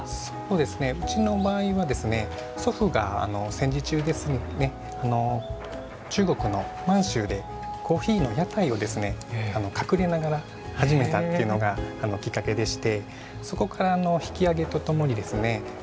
そうですねうちの場合はですね祖父が戦時中ですね中国の満州でコーヒーの屋台をですね隠れながら始めたっていうのがきっかけでしてそこから引き揚げとともにですね